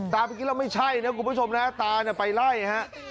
ตาไปกินเหล้าไม่ใช่นะครับคุณผู้ชมนะตาไปไล่นะครับ